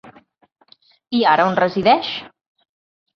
I ara on resideix?